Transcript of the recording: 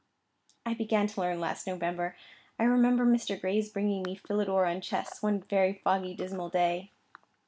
"I began to learn last November. I remember Mr. Gray's bringing me 'Philidor on Chess,' one very foggy, dismal day."